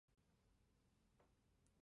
离穗薹草为莎草科薹草属的植物。